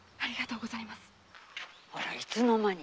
あらいつのまに。